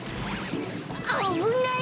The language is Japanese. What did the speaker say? あぶない。